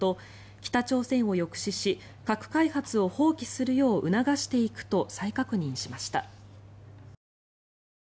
北朝鮮を抑止し核開発を放棄するよう促していくと再確認しました。